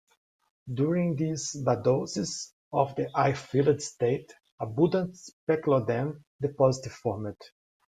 During this vadose, or air filled state, abundant speleothem deposits formed.